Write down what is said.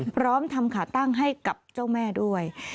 พร้อมทำขาตั้งให้กับเจ้าแม่ด้วย